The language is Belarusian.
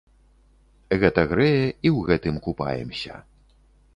Гэта грэе і ў гэтым купаемся.